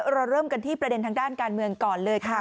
เราเริ่มกันที่ประเด็นทางด้านการเมืองก่อนเลยค่ะ